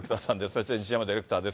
あとは西山ディレクターです。